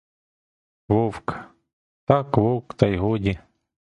Вовк — так вовк та й годі.